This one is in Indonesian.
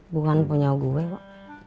bukan punya gue wak